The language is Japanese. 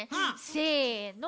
せの！